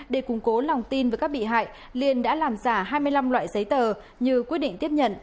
để củng cố lòng tin với các bị hại liên đã làm giả hai mươi năm loại giấy tờ như quyết định tiếp nhận